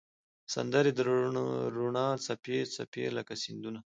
سندرې د روڼا څپې، څپې لکه سیندونه